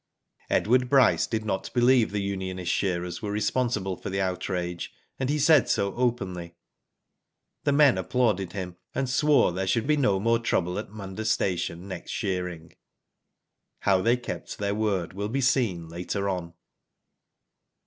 Edward Bryce did not believe the unionist shearers were responsible for the outrage, and he said so openly. The men applauded him, and swore there should be no more trouble at Munda station next shearing. How they kept their word will be seen later on.